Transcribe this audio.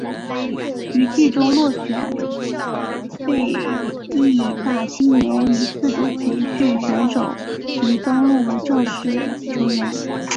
于季中选秀落选被被义大犀牛以自主培训选手其登录为正式球员。